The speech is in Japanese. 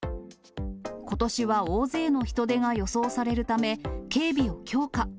ことしは大勢の人出が予想されるため、警備を強化。